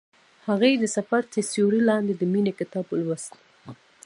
هغې د سفر تر سیوري لاندې د مینې کتاب ولوست.